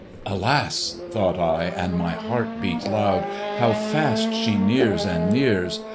Alas! (thought I, and my heart beat loud) How fast she nears and nears!